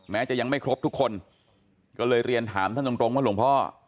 จะยังไม่ครบทุกคนก็เลยเรียนถามท่านตรงตรงว่าหลวงพ่อ